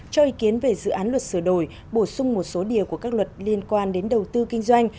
cho ý kiến về dự án luật sửa đổi bổ sung một số điều của các luật liên quan đến đầu tư kinh doanh